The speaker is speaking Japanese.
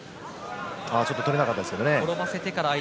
ちょっと取れなかったですけど。